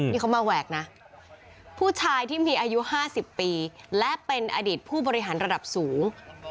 นี่เขามาแหวกนะผู้ชายที่มีอายุ๕๐ปีและเป็นอดีตผู้บริหารระดับสูง